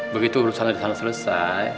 begitu urusannya di sana selesai